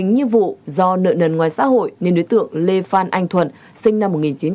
như vụ do nợ nần ngoài xã hội nên đối tượng lê phan anh thuận sinh năm một nghìn chín trăm tám mươi